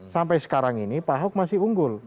sampai sekarang ini pak ahok masih unggul